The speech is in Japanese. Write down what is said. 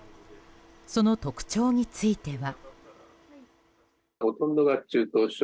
その特徴については。